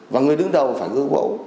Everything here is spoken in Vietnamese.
và người đứng đầu phải gương mẫu